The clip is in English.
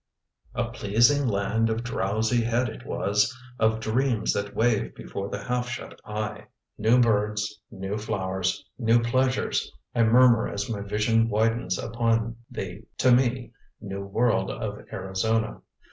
"A pleasing land of drowsy head it was, Of dreams that wave before the half shut eye." "New birds, new flowers, new pleasures," I murmur as my vision widens upon the, to me, new world of Arizona.